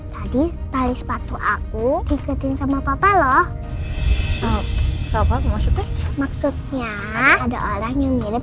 sampai jumpa di video selanjutnya